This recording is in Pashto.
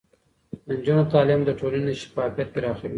د نجونو تعليم د ټولنې شفافيت پراخوي.